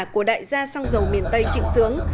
của đại gia sang giầu miền tây trịnh sướng